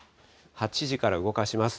８時から動かします。